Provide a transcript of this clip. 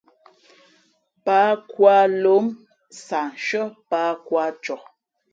Pǎh khu ā lǒm sah nshʉ́ά pǎh khu ā coh.